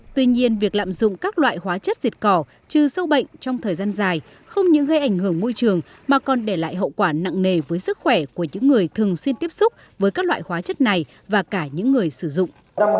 tuy nhiên việc lạm dụng các loại hóa chất diệt cỏ trừ sâu bệnh trong thời gian dài không những gây ảnh hưởng môi trường mà còn để lại hậu quả nặng nề với sức khỏe của những người thường xuyên tiếp xúc với các loại hóa chất này và cả những người sử dụng